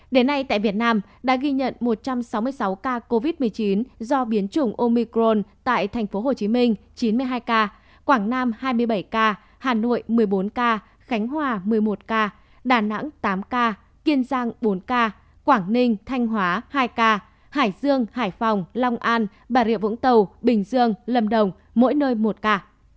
đến nay tại việt nam đã ghi nhận một trăm sáu mươi sáu ca covid một mươi chín do biến chủng omicron tại tp hcm chín mươi hai ca quảng nam hai mươi bảy ca hà nội một mươi bốn ca khánh hòa một mươi một ca đà nẵng tám ca kiên giang bốn ca quảng ninh thanh hóa hai ca hải dương hải phòng long an bà rịa vũng tàu bình dương lâm đồng mỗi nơi một ca